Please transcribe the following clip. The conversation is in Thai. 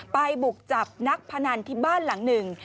บุกจับนักพนันที่บ้านหลังหนึ่ง